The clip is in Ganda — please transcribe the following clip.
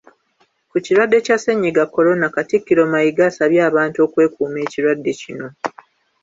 Ku Kirwadde kya sennyiga Corona, Katikkiro Mayiga asabye abantu okwekuuma ekirwadde kino.